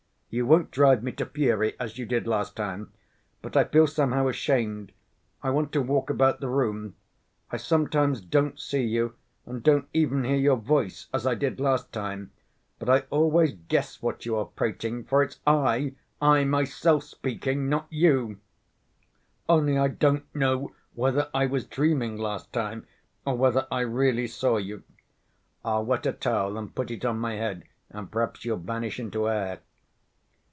You won't drive me to fury, as you did last time. But I feel somehow ashamed.... I want to walk about the room.... I sometimes don't see you and don't even hear your voice as I did last time, but I always guess what you are prating, for it's I, I myself speaking, not you. Only I don't know whether I was dreaming last time or whether I really saw you. I'll wet a towel and put it on my head and perhaps you'll vanish into air."